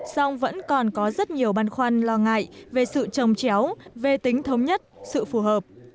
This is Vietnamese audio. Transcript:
song vẫn còn có rất nhiều băn khoăn lo ngại về sự trồng chéo về tính thống nhất sự phù hợp